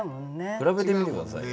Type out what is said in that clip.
比べてみて下さいよ。